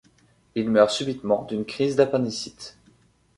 Il meurt subitement d'une crise d'appendicite.